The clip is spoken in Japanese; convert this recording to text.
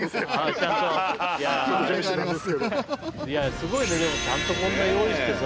いやすごいねでもちゃんとこんな用意してさ。